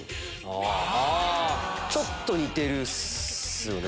ちょっと似てるっすよね。